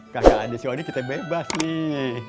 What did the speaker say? kakak ada sody kita bebas nih